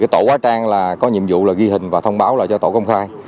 tổ quá trang có nhiệm vụ là ghi hình và thông báo cho tổ công khai